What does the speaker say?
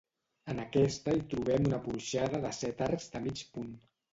En aquesta hi trobem una porxada de set arcs de mig punt.